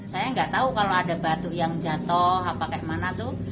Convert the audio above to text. saya nggak tahu kalau ada batuk yang jatuh apa kayak mana tuh